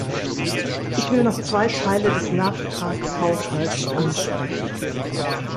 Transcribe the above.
Ich will noch zwei Teile des Nachtragshaushalts ansprechen.